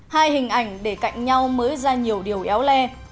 hai hình ảnh để cạnh nhau mới ra nhiều điều éo le